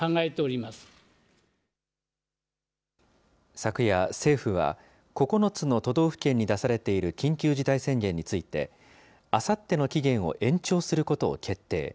昨夜政府は、９つの都道府県に出されている緊急事態宣言について、あさっての期限を延長することを決定。